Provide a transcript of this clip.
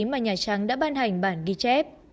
mà nhà trang đã ban hành bản ghi chép